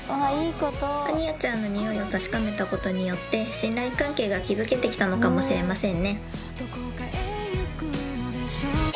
アニヤちゃんのにおいを確かめたことによって、信頼関係が築けてきたのかもしれませんね。